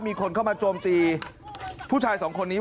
มีคนเข้ามาโจมตีผู้ชายสองคนนี้